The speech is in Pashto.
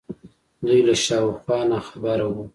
دوی له شا و خوا ناخبره وو